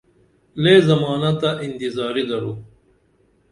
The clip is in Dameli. لے زمانہ تہ انتِظاری درو